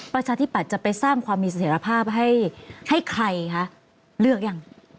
ประชาธิปัตย์จะไปสร้างความมีเสถียรภาพให้ใครคะเลือกยัง